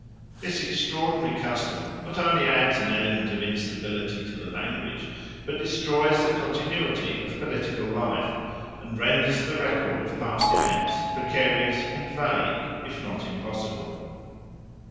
This extraordinary custom not only adds an element of instability to the language, but destroys the continuity of political life, and renders the record of past events precarious and vague, if not impossible."